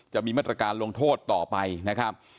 จะมีมาตรการลงโทษต่อไปนะครับ